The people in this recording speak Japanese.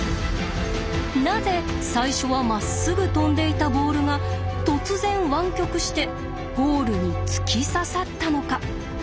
なぜ最初はまっすぐ飛んでいたボールが突然湾曲してゴールに突き刺さったのか？